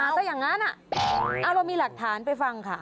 ถ้าอย่างนั้นเรามีหลักฐานไปฟังค่ะ